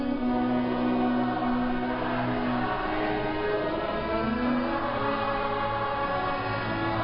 อาเมนอาเมน